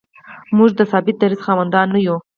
موږ د ثابت دریځ خاوندان نه یو.